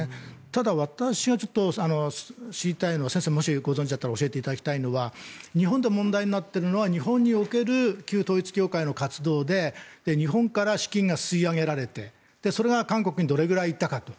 ただ、私は知りたいのは先生、もしご存じだったら教えていただきたいのは日本で問題になっているのは日本における旧統一教会の活動で日本から資金が吸い上げられてそれが韓国にどれくらい行ったかと。